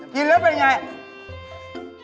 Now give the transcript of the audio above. กินแล้วเป็นอย่างไร